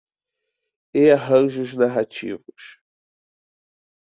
E arranjos narrativos